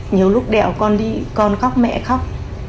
nhiều lúc đèo con đi con khóc mẹ khóc